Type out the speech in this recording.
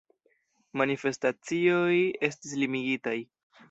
Manifestacioj estis limigitaj.